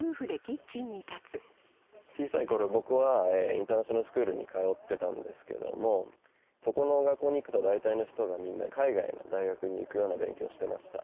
小さい頃僕はインターナショナルスクールに通ってたんですけどもそこの学校に行くと大体の人が海外の大学に行くような勉強をしてました。